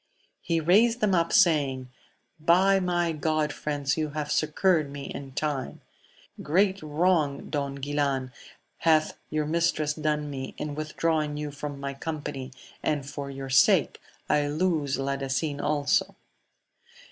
He raised them up, saying, I my God, friends, you have succoured me in trm( great wrong, Don Guilan, hath your mistress done n in withdrawing you from my company, and for yoi sake I lose Ladasin also.